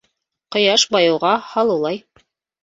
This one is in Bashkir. Ҡояш байыуға һалыулай.